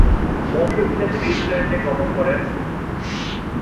মৌসুম শেষে নিউজিল্যান্ড গমন করেন।